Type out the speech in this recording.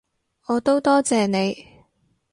我都多謝你